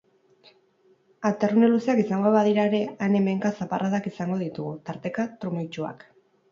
Aterrune luzeak izango badira ere, han-hemenka zaparradak izango ditugu, tarteka trumoitsuak.